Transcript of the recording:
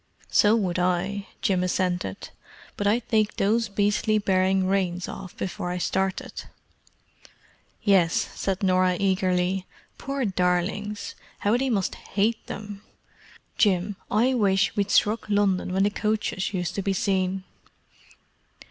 "So would I," Jim assented. "But I'd take those beastly bearing reins off before I started." "Yes," said Norah eagerly. "Poor darlings, how they must hate them! Jim, I wish we'd struck London when the coaches used to be seen."